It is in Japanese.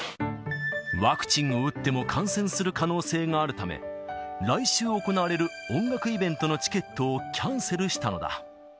ワクチンを打っても、感染する可能性があるため、来週行われる音楽イベントのチケットをキャンセルしたのだ。